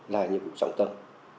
là nhiệm vụ trọng tâm